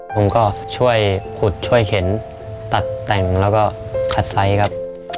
ผมก็ช่วยขุดช่วยเข็นตัดแต่งแล้วก็ขัดไซส์ครับ